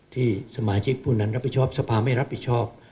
ที่สมาชิกผู้นั้นรับผิดชอบสภาไม่รับผิดชอบ